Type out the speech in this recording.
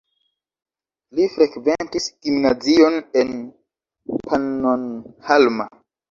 Li frekventis gimnazion en Pannonhalma.